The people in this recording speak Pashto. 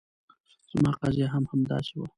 زما قضیه هم همداسې وه.